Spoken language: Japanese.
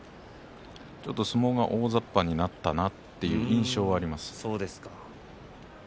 ちょっと相撲が大ざっぱになったなという印象があります。